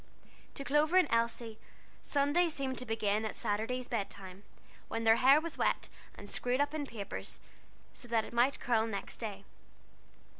To Clover and Elsie, Sunday seemed to begin at Saturday's bed time, when their hair was wet, and screwed up in papers, that it might curl next day.